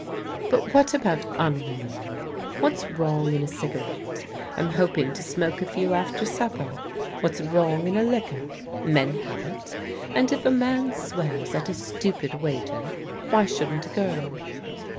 (( But what was unwomanly? What's wrong in a cig arette? I'm hoping to smoke a few after supper. What's wrong in a liquor? Men have it And if a man swears at a stupid waiter, why shouldn't a girl